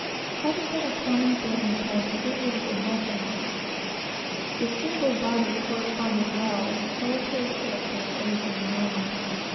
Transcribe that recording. Had it been a common burying place, it would have been nothing. The single body corresponded well with the solitary character of everything around.